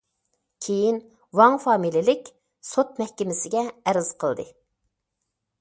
كېيىن ۋاڭ فامىلىلىك سوت مەھكىمىسىگە ئەرز قىلدى.